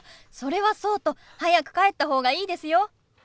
それはそうと早く帰った方がいいですよ！